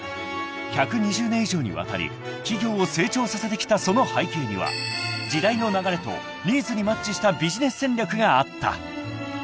［１２０年以上にわたり企業を成長させてきたその背景には時代の流れとニーズにマッチしたビジネス戦略があった］